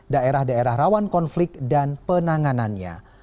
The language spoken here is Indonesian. daerah daerah rawan konflik dan penanganannya